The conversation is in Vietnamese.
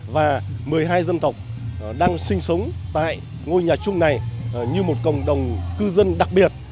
và một mươi hai dân tộc đang sinh sống tại ngôi nhà chung này như một cộng đồng cư dân đặc biệt